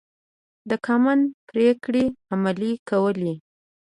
د کاهن پرېکړې عملي کولې.